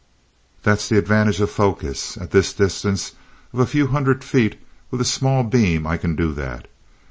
"That's the advantage of focus. At this distance of a few hundred feet with a small beam I can do that.